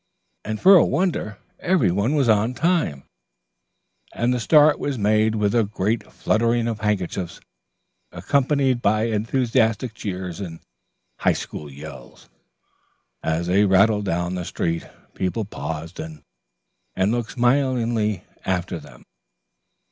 For a wonder every one was on time, and the start was made with a great fluttering of handkerchiefs, accompanied by enthusiastic cheers and High School yells. As they rattled down the street people paused and looked smilingly after them.